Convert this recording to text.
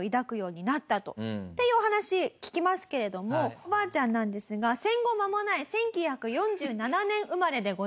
っていうお話聞きますけれどもおばあちゃんなんですが戦後まもない１９４７年生まれでございます。